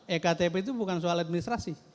ektp itu bukan soal administrasi